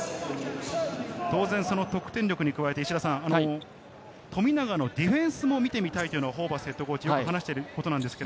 当然、得点力に加えて富永のディフェンスも見てみたいというのをホーバスＨＣは話していました。